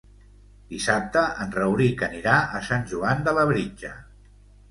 Dissabte en Rauric anirà a Sant Joan de Labritja.